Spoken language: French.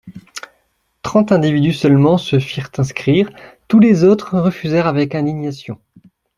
Trente individus seulement se firent inscrire ; tous les autres refusèrent avec indignation.